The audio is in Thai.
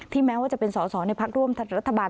แม้ว่าจะเป็นสอสอในพักร่วมรัฐบาล